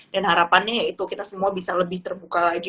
dan harapannya ya itu kita semua bisa lebih terbuka lagi